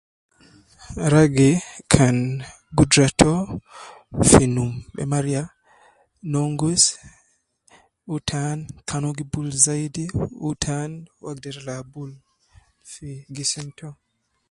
Ragi kan gudura to ,fi num me maria ,nongus, wu tan kan uwo gi bul zaidi, wu tan uwo agder ladi bul fi gisim to